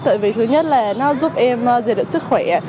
tại vì thứ nhất là nó giúp em giải đựng sức khỏe